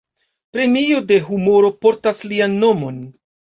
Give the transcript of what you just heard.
Premio de humoro portas lian nomon.